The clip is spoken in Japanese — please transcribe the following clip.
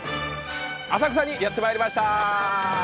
浅草にやってまいりました